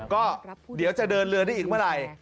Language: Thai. ก็เดี๋ยวจะเดินเรือได้อีกเมื่อไหร่